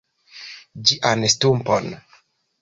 ĝian stumpon.